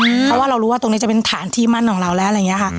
เพราะว่าเรารู้ว่าตรงนี้จะเป็นฐานที่มั่นของเราแล้ว